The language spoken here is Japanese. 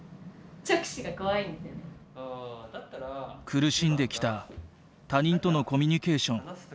苦しんできた他人とのコミュニケーション。